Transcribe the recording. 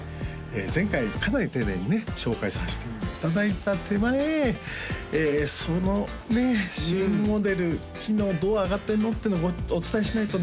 前回かなり丁寧にね紹介させていただいた手前そのね新モデル機能どう上がってんの？ってのをお伝えしないとね